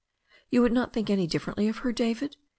"You would not think any differently of her, David?